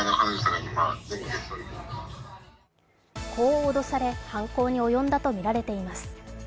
こう脅され、犯行に及んだとみられています。